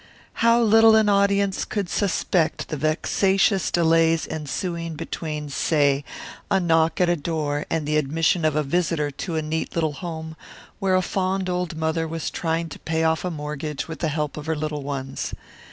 How little an audience could suspect the vexatious delays ensuing between, say, a knock at a door and the admission of a visitor to a neat little home where a fond old mother was trying to pay off a mortgage with the help of her little ones.